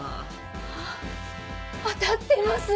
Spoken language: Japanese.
あ当たってます！